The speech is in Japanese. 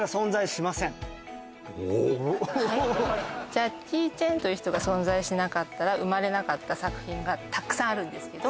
ジャッキー・チェンという人が存在しなかったら生まれなかった作品がたくさんあるんですけど